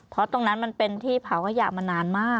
เพราะตรงนั้นมันเป็นที่เผาขยะมานานมาก